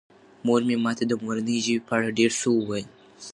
مور مې ماته د مورنۍ ژبې په اړه ډېر څه وویل.